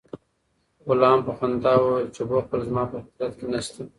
غلام په خندا وویل چې بخل زما په فطرت کې نشته.